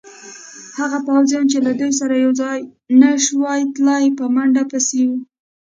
هغه پوځیان چې له دوی سره یوځای نه شوای تلای، په منډه پسې وو.